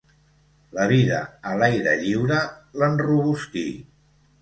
La vida a l'aire lliure l'enrobustí.